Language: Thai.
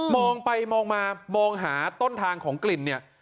มองไปมองมามองหาต้นทางของกลิ่นเนี่ย